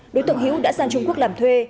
đối tượng hiễu đã sang trung quốc làm thuê